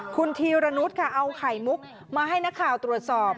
คุณธีรนุษย์ค่ะเอาไข่มุกมาให้นักข่าวตรวจสอบ